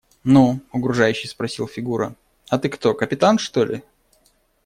– Ну, – угрожающе спросил Фигура, – а ты кто – капитан, что ли?